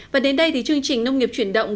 và đến đây thì chương trình nông nghiệp chuyển động